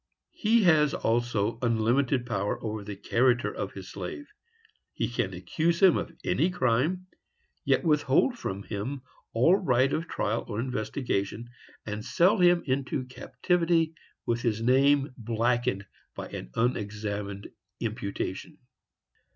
He has also unlimited power over the character of his slave. He can accuse him of any crime, yet withhold from him all right of trial or investigation, and sell him into captivity, with his name blackened by an unexamined imputation.